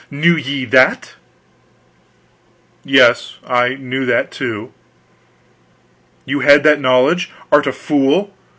Knew ye that?" "Yes, I knew that, too." "You had that knowledge! Art a fool?